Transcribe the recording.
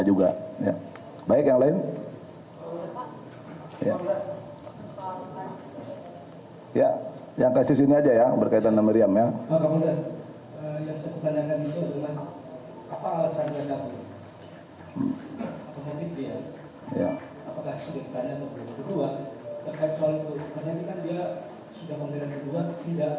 ini juga bisa dikenakan pasal dari pelarian terima kasih pak